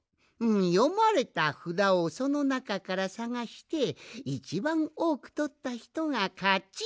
よまれたふだをそのなかからさがしていちばんおおくとったひとがかちというあそびなんじゃ。